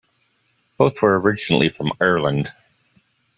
Both were originally from Ireland.